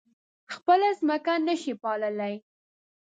خپله ځمکه نه شي پاللی.